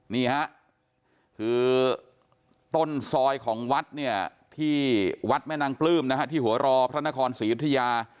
นี่ค่ะคือต้นซอยของวัดที่วัดแม่นางปลื้มที่หัวรอพระนครศรียุทธิยา